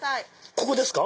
ここですか？